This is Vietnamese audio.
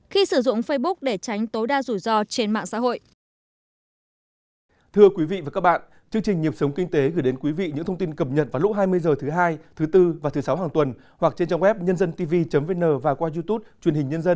khi sử dụng facebook để tránh tối đa rủi ro trên mạng xã hội